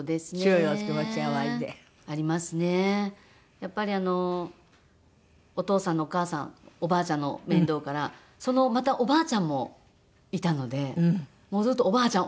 やっぱりあのお父さんのお母さんおばあちゃんの面倒からそのまたおばあちゃんもいたのでもうずっとおばあちゃん